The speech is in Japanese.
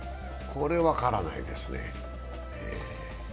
これ分からないですね。